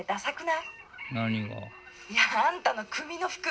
「いやあんたの組の服。